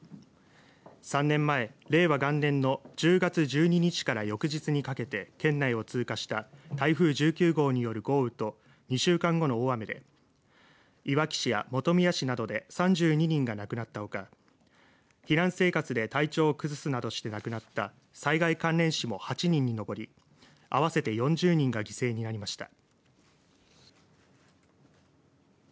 ３年前、令和元年の１０月１２日から翌日にかけて県内を通過した台風１９号による豪雨と２週間後の大雨でいわき市や本宮市などで３２人が亡くなったほか避難生活で体調を崩すなどして亡くなった災害関連死も８人に上り合わせて４０人が犠牲になりました。